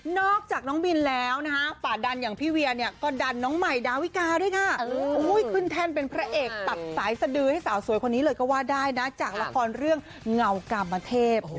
น้องบินแล้วนะฮะป่าดันอย่างพี่เวียเนี่ยก็ดันน้องใหม่ดาวิกาด้วยค่ะขึ้นแท่นเป็นพระเอกตัดสายสดือให้สาวสวยคนนี้เลยก็ว่าได้นะจากละครเรื่องเงากามเทพ